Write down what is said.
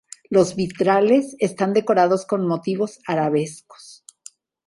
Los vitrales están decorados con motivos arabescos.